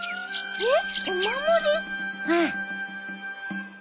えっ？